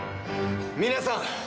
皆さん！